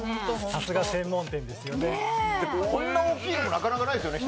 さすが専門店ですよね。